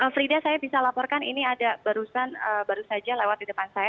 frida saya bisa laporkan ini ada barusan baru saja lewat di depan saya